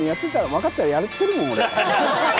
分かってたらやってるもん、俺。